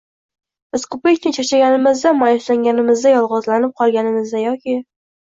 Biz ko‘pincha charchaganimizda, ma’yuslanganimizda, yolg‘izlanib qolganimizda yoki